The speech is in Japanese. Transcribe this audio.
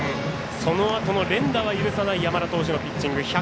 そのあとの連打は許さない山田投手のピッチング。